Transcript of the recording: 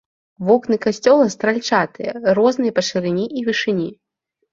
Вокны касцёла стральчатыя, розныя па шырыні і вышыні.